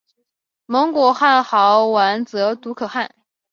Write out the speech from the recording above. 蒙古汗号完泽笃可汗。